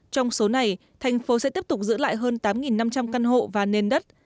trong số này thành phố sẽ tiếp tục giữ lại hơn tám năm trăm linh căn hộ và nền đất